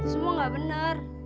semua nggak benar